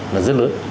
là rất lớn